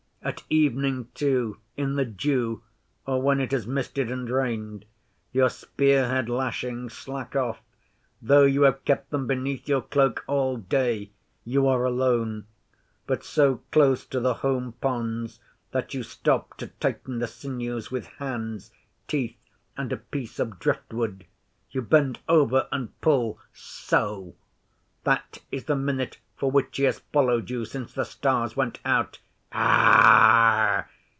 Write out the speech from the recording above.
At evening, too, in the dew, or when it has misted and rained, your spear head lashings slack off, though you have kept them beneath your cloak all day. You are alone but so close to the home ponds that you stop to tighten the sinews with hands, teeth, and a piece of driftwood. You bend over and pull so! That is the minute for which he has followed you since the stars went out. "Aarh!"